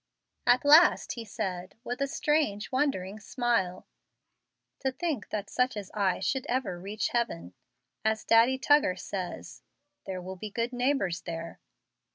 At last he said, with a strange, wondering smile, "To think that such as I should ever reach heaven! As Daddy Tuggar says, 'there will be good neighbors there.'"